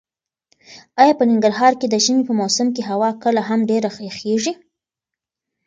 ایا په ننګرهار کې د ژمي په موسم کې هوا کله هم ډېره یخیږي؟